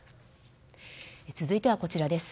続いてはこちらです。